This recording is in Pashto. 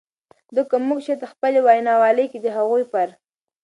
د که مونږ چرته په خپلې وینا والۍ کې د هغوئ پر